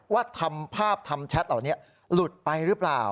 ว่าทำภาพทำแชทเหล่านี้หลุดไปหรือเปล่า